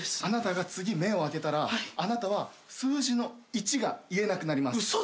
あなたが次目を開けたらあなたは数字の１が言えなくなります。